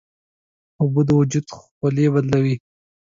اوبه د وجود خولې بدلوي.